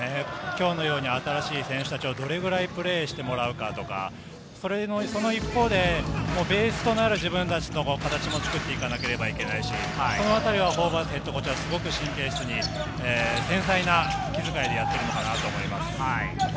今日のように新しい選手たちをどれくらいプレーしてもらうかとか、その一方でベースとなる自分たちの形も作っていかなければならないし、そのあたりはホーバスＨＣはすごく神経質に繊細な気づかいでやっているかなと思います。